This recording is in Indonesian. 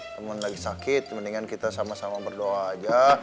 namun lagi sakit mendingan kita sama sama berdoa aja